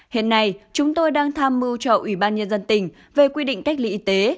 hiện nay chúng tôi đang tham mưu cho ủy ban nhân dân tỉnh về quy định cách ly y tế